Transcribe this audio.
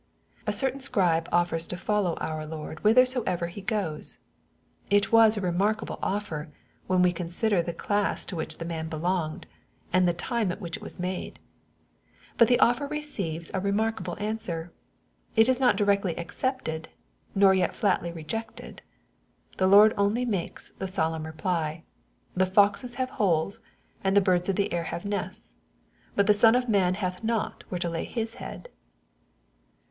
A certain scribe offers to follow our Lord whithersoever He goes. It was a remarkable offer, when we consider the class to which the man belonged, and the time at which it was made. But the offer receives a remarkable answer. It is not directly accepted, nor yet flatly re jected. Our Lord only makes the solemn reply, " the foxes have holes, and the birds of the air have nests ; but the Son of man hath not where to lay his head.'